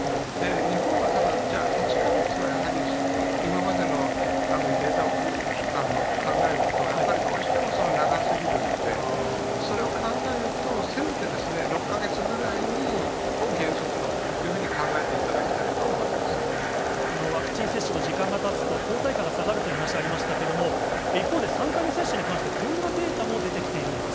日本は、ただ、じゃあ、８か月はやはり、今までのデータを考えると、やっぱりどうしても長すぎるので、それを考えると、せめて６か月ぐらいを原則というふうに考えていただきたいとは思ワクチン接種も、時間がたつと抗体価が下がるという話、ありましたけれども、一方で３回目接種に関して、こんなデータも出てきているんです。